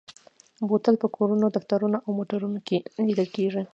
بوتل په کورونو، دفترونو او موټرو کې لیدل کېږي.